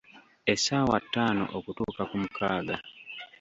Essaawa ttaano okutuuka ku mukaaga.